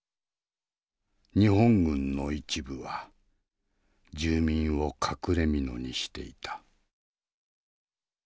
日本軍の一部は住民を隠れみのにしていた。